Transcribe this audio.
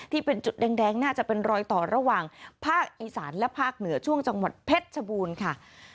ที่เป็นจุดแดงน่าจะเป็นรอยต่อระหว่างภาคอีสานและภาคเหนือช่วงจังหวัดเพชรชบูรณ์ค่ะ